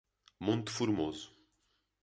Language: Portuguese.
Monte Formoso